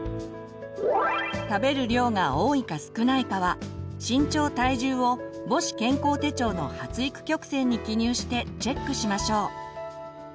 食べる量が多いか少ないかは身長・体重を母子健康手帳の発育曲線に記入してチェックしましょう。